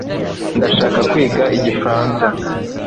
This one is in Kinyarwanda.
ndashaka kwiga igifaransa